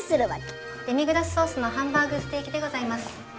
デミグラスソースのハンバーグステーキでございます。